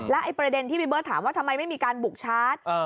ไอ้ประเด็นที่พี่เบิร์ตถามว่าทำไมไม่มีการบุกชาร์จ